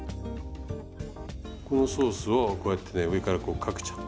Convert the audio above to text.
このソースをこうやってね上からこうかけちゃう。